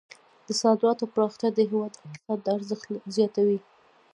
د صادراتو پراختیا د هیواد اقتصاد ته ارزښت زیاتوي.